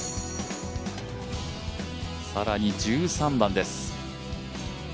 更に１３番です。